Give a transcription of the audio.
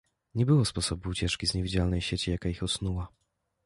"Nie było sposobu ucieczki z niewidzialnej sieci, jaka ich osnuła."